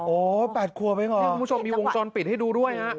โอ้แปดครัวไปหรอนี่คุณผู้ชมมีวงจรปิดให้ดูด้วยนะ